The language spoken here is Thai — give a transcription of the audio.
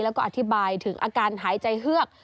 แล้วก็อธิบายถึงอาการหายใจเฮือก